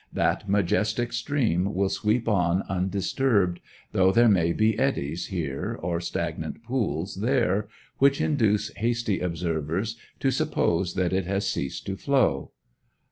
That majestic stream will sweep on undisturbed, though there may be eddies here or stagnant pools there, which induce hasty observers to suppose that it has ceased to flow.